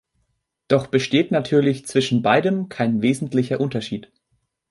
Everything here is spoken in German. Doch besteht natürlich zwischen beidem kein wesentlicher Unterschied.